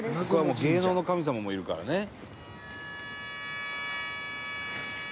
「ここはもう芸能の神様もいるからね」